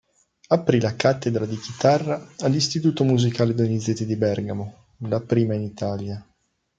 Aprì la cattedra di chitarra all'istituto Musicale Donizetti di Bergamo, la prima in Italia.